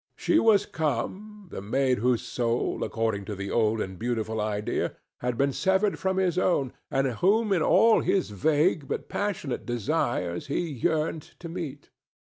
She was come, the maid whose soul, according to the old and beautiful idea, had been severed from his own, and whom in all his vague but passionate desires he yearned to meet.